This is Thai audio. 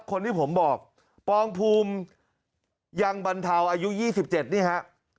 คนที่ผมบอกปองภูมิยังบรรเทาอายุ๒๗นี่ฮะ